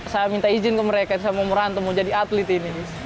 saya minta izin ke mereka saya mau merantau mau jadi atlet ini